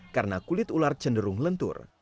karena kulit ular cenderung lentur